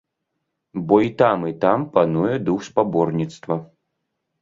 Бо і там, і там пануе дух спаборніцтва.